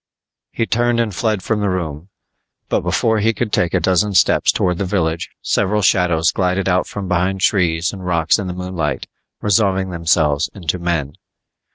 He turned and fled from the room, but before he could take a dozen steps towards the village, several shadows glided out from behind trees and rocks in the moonlight, resolving themselves into men.